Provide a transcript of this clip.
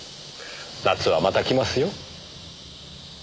夏はまた来ますよ。